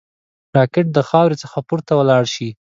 راکټ د خاورې څخه پورته ولاړ شي